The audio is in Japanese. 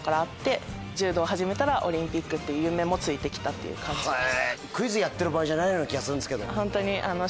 っていう感じです。